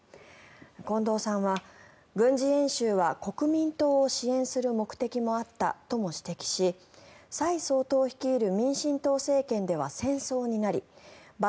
近藤さんは、軍事演習は国民党を支援する目的もあったとも指摘し蔡総統率いる民進党政権では戦争になり馬